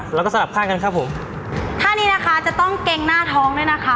แล้วก็สลับข้างกันครับผมท่านี้นะคะจะต้องเกรงหน้าท้องด้วยนะคะ